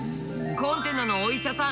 コンテナのお医者さん